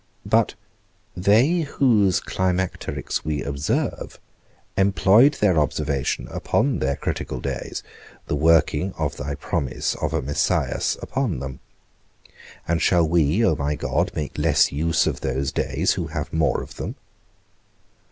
But they whose climacterics we observe, employed their observation upon their critical days, the working of thy promise of a Messias upon them. And shall we, O my God, make less use of those days who have more of them?